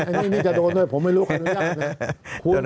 อะไรกว่านี้จะโดนด้วยผมไม่รู้ความอนุญาตอะไรนะ